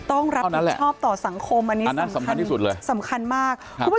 ต้องรับผู้ชอบต่อสังคมอันนี้สำคัญมาก